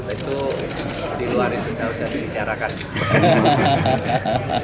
itu diluarin juga tidak usah dicarakan